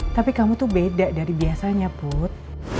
tapi kamu tuh beda dari biasanya put